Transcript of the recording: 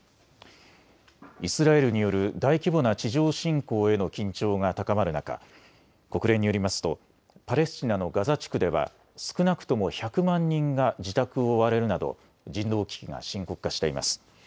イスラエルによる大規模な地上侵攻への緊張が高まる中、国連によりますとパレスチナのガザ地区では少なくとも１００万人が自宅を追われるなど人道危機が深刻化しています。